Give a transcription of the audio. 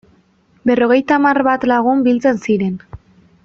Berrogeita hamar bat lagun biltzen ziren.